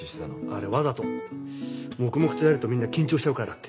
あれわざと黙々とやるとみんな緊張しちゃうからだって。